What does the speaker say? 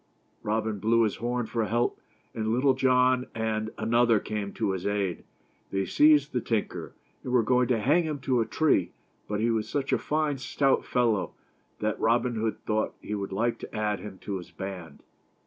Robin blew his horn for help, and Little John and another came to his aid. They seized the tinker, and were going to hang him to a tree, but ne was such a fine, stout fellow that Robin Hood thought he would like to add him to his band.